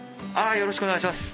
よろしくお願いします。